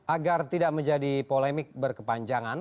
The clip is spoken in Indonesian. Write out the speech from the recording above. agar tidak menjadi polemik berkepanjangan